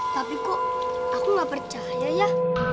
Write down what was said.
tapi kok aku nggak percaya ya